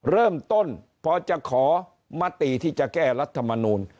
เริ่มต้นพอจะขอมติที่จะแก้รัฐมนูล